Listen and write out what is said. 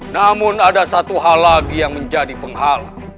namun ada satu hal lagi yang menjadi penghalang